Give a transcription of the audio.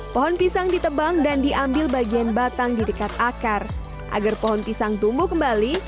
pohon pisang ditebang dan diambil bagian batang di dekat akar agar pohon pisang tumbuh kembali